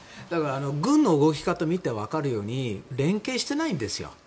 軍の動き方を見て分かるように連携していないですよね。